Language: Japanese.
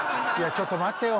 ちょっと待ってよ